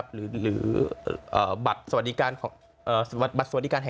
หรือบัตรสวัสดีการ